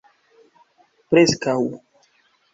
preskaŭ